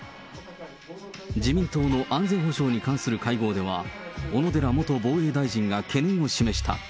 自民党の安全保障に関する会合では小野寺元防衛大臣が懸念を示し